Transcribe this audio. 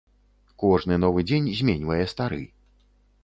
Кожны новы дзень зменьвае стары.